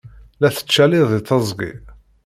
La tettcaliḍ deg teẓgi.